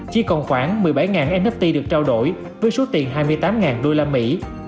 chỉ còn khoảng một mươi bảy nft được trao đổi với số tiền hai mươi tám đô la mỹ